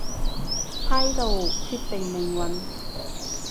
態度決定命運